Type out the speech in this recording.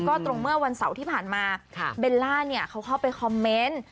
ก็ตรงเมื่อวันเสาร์ที่ผ่านมาเบลล่าเนี่ยเขาเข้าไปคอมเมนต์